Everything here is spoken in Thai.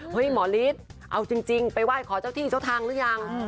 หมอฤทธิ์เอาจริงไปไหว้ขอเจ้าที่เจ้าทางหรือยัง